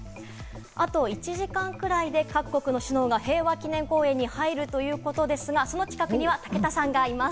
あと１時間くらいで、各国の首脳が平和記念公園に入るということですが、その近くには武田さんがいます。